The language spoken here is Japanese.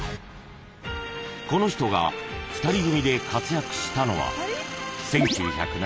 ［この人が２人組で活躍したのは］